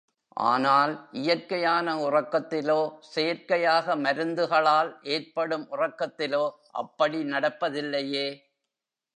ஆனால், இயற்கையான உறக்கத்திலோ, செயற்கையாக மருந்துகளால் ஏற்படும் உறக்கத்திலோ, அப்படி நடப்பதில்லையே!